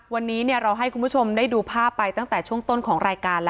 วันนี้เราให้คุณผู้ชมได้ดูภาพไปตั้งแต่ช่วงต้นของรายการแล้ว